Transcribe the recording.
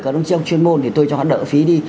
các đồng chí trong chuyên môn thì tôi cho hắn đỡ phí đi